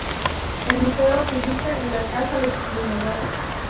El museo se ubica en la casa de su fundador.